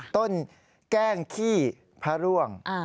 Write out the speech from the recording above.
ต้นแกล้งขี้พระร่วง